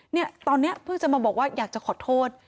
เนี่ยตอนนี้เพิ่งจะมาบอกว่าอยากจะขอโทษ